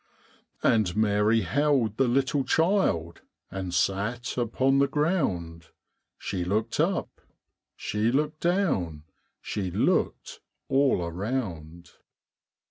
And Mary held the little child And sat upon the ground; She looked up, she looked down, She looked all around.